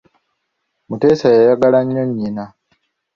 Mutesa yayagala nnyo nnyina.